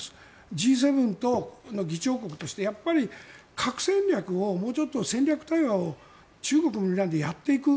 Ｇ７の議長国としてやっぱり核戦略をもうちょっと戦略対話を中国を見ながらやっていく。